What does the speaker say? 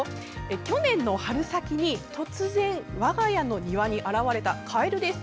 去年の春先に、突然我が家の庭に現れたカエルです。